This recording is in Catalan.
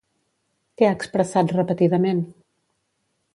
Què ha expressat repetidament?